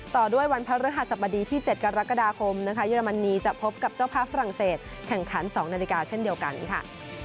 ต่อด้วยวันพระฤหัสบดีที่๗กรกฎาคมนะคะเยอรมนีจะพบกับเจ้าภาพฝรั่งเศสแข่งขัน๒นาฬิกาเช่นเดียวกันค่ะ